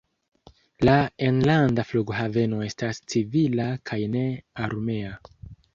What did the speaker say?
La enlanda flughaveno estas civila kaj ne armea.